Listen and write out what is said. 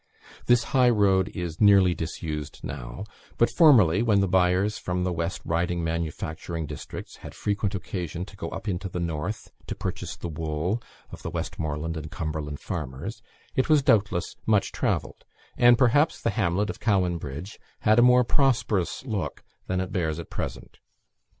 This high road is nearly disused now; but formerly, when the buyers from the West Riding manufacturing districts had frequent occasion to go up into the North to purchase the wool of the Westmorland and Cumberland farmers, it was doubtless much travelled; and perhaps the hamlet of Cowan Bridge had a more prosperous look than it bears at present.